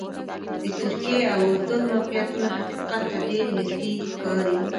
د ترکیې او اردن موقعیتونه حقیقت ته ډېر نږدې ښکاري.